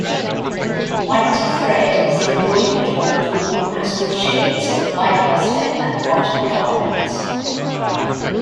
White thread is embroidered on cool, pastel shades of light muslin and cotton garments.